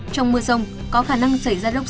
trong mưa rông có khả năng xảy ra lốc